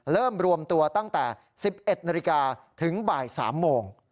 เริ่มรวมตัวตั้งแต่๑๑นถึงบ่าย๓โมง